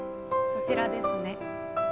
そちらですね。